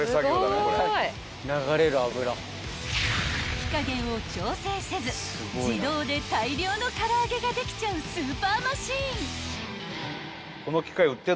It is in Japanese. ［火加減を調整せず自動で大量の空上げができちゃうスーパーマシン］